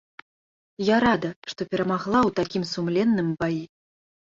Я рада, што перамагла ў такім сумленным баі.